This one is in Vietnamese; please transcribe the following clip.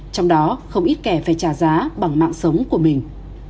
trong đó không ít kẻ phải trả giá bằng mạng sống của mình